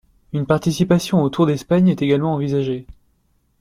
Une participation au Tour d'Espagne est également envisagée.